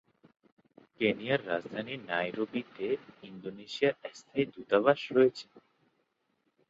কেনিয়ার রাজধানী নাইরোবিতে ইন্দোনেশিয়ার স্থায়ী দূতাবাস রয়েছে।